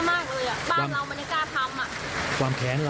ถ้าจับได้ตอนนี้ตายค่ะตีนเลย